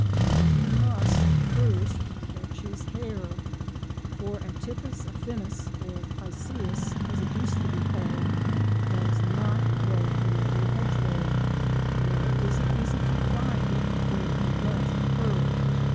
But he must first catch his hare, for Atypus affinis (or piceus as it used to be called) does not grow in every hedge row, nor is it easy to find it where it does occur.